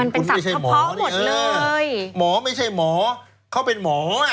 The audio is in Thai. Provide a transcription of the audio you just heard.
มันเป็นศัพท์เฉพาะหมดเลยหมอไม่ใช่หมอเขาเป็นหมอ